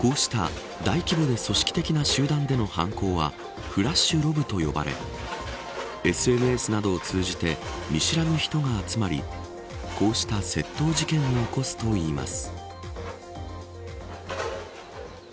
こうした大規模で組織的な集団での犯行はフラッシュロブと呼ばれＳＮＳなどを通じて見知らぬ人が集まりこうした窃盗事件を起こすといいます。